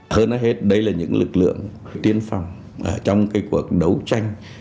hơn hết đây là những lực lượng tiến phòng trong cuộc đấu tranh